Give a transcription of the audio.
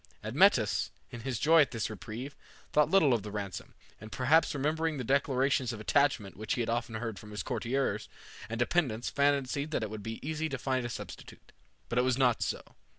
Admetus, in his joy at this reprieve, thought little of the ransom, and perhaps remembering the declarations of attachment which he had often heard from his courtiers and dependents fancied that it would be easy to find a substitute. But it was not so.